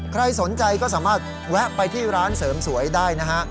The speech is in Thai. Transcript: ใครสนใจก็สามารถแวะไปที่ร้านเสริมสวยได้นะฮะ